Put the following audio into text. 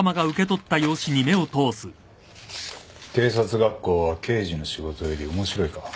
警察学校は刑事の仕事より面白いか？